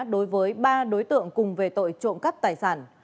đối với ba đối tượng cùng về tội trộm cắp tài sản